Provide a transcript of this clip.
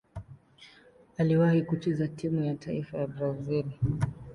Aliwahi kucheza timu ya taifa ya Brazil.